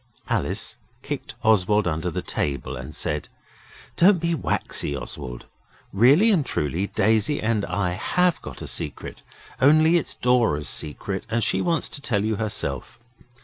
Alice kicked Oswald under the table and said 'Don't be waxy, Oswald. Really and truly Daisy and I HAVE got a secret, only it's Dora's secret, and she wants to tell you herself.